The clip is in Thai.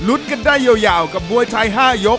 กันได้ยาวกับมวยไทย๕ยก